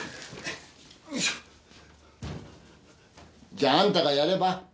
じゃああんたがやれば？